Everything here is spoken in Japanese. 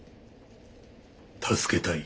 「助けたい」。